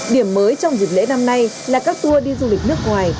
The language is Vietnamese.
điểm mới trong dịp lễ năm nay là các tour đi du lịch nước ngoài